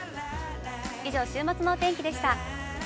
以上、週末のお天気でした。